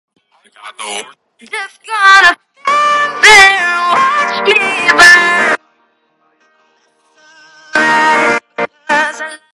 Then he turned a wild eye on the other.